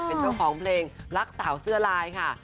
เป็นเจ้าของเพลงรักสาวเสื้อลายค่ะ